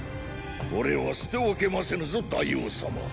これは捨ておけませぬぞ大王様。